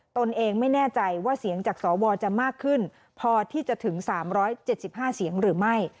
ตนเองไม่แน่ใจว่าเสียงจากสวจะมากขึ้นพอที่จะถึง๓๗๕เสียงหรือไม่